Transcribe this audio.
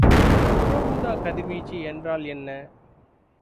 புற ஊதாக்கதிர்வீச்சு என்றால் என்ன?